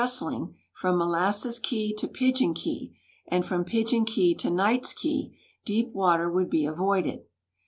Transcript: stling from Molasses Key to Pigeon Key, and from Pigeon Key to Knights Key, deep water would l)e avoided.